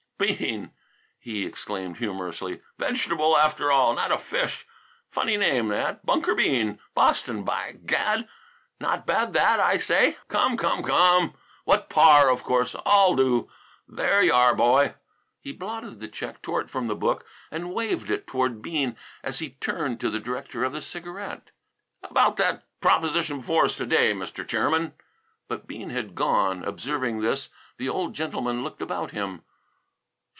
"Bean!" he exclaimed humorously. "Vegetable after all; not a fish! Funny name that! Bunker Bean! Boston, by gad! Not bad that, I say! Come, come, come! Want par, of course all do! There y'are, boy!" He blotted the check, tore it from the book and waved it toward Bean as he turned to the director of the cigarette. "About that proposition before us to day, Mr. Chairman " but Bean had gone. Observing this, the old gentleman looked about him.